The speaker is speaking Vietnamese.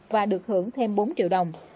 và được hưởng thêm bốn triệu đồng